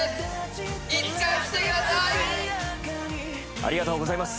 ありがとうございます。